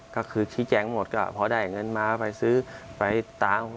ก็คือชี้แจงหมดก็พอได้เงินมาไปซื้อไปตาม